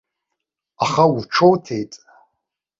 Аха уҽоуҭеит.